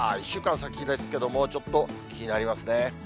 １週間先ですけれども、ちょっと気になりますね。